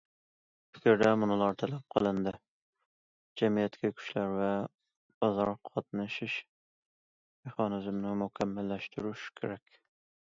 پىكىردە مۇنۇلار تەلەپ قىلىندى: جەمئىيەتتىكى كۈچلەر ۋە بازار قاتنىشىش مېخانىزمىنى مۇكەممەللەشتۈرۈش كېرەك.